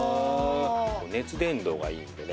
熱伝導がいいのでね